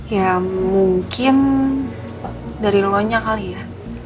ya mungkin dari lo nya kali ya